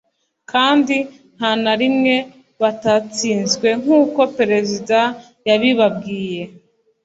kandi nta na rimwe batatsinzwe, nk'uko perezida yabibabwiye